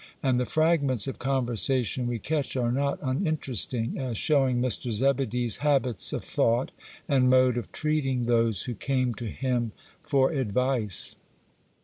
And the fragments of conversation we catch are not uninteresting, as showing Mr. Zebedee's habits of thought and mode of treating those who came to him for advice.